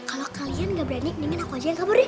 kalo kalian gak berani mendingin aku aja yang kabur yuk